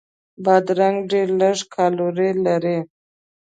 بادرنګ ډېر لږ کالوري لري.